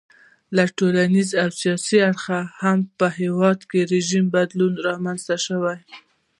له ټولنیز او سیاسي اړخه هم په هېواد کې ژور بدلونونه رامنځته شول.